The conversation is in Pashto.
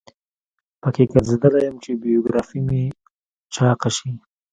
په کې ګرځیدلی یم چې بیوګرافي مې چاقه شي.